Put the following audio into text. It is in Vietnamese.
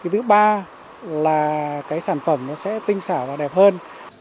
thứ ba là sản phẩm sẽ tinh xảo và đẹp hơn